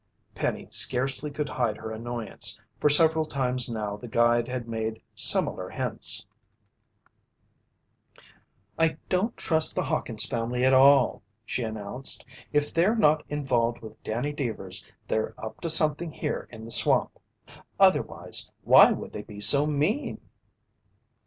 Penny scarcely could hide her annoyance, for several times now the guide had made similar hints. "I don't trust the Hawkins' family at all," she announced. "If they're not involved with Danny Deevers, they're up to something here in the swamp. Otherwise, why would they be so mean?"